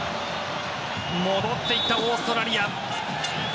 戻っていったオーストラリア。